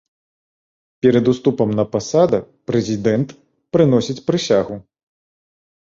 Перад уступам на пасада прэзідэнт прыносіць прысягу.